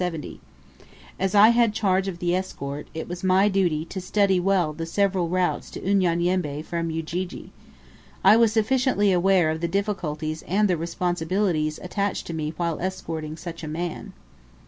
As I had charge of the escort, it was my duty to study well the several routes to Unyanyembe from Ujiji. I was sufficiently aware of the difficulties and the responsibilities attached to me while escorting such a man.